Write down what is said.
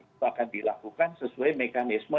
itu akan dilakukan sesuai mekanisme